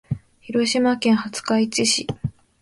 広島県廿日市市